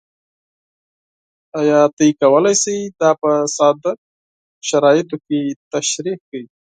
ایا تاسو کولی شئ دا په ساده شرایطو کې تشریح کړئ؟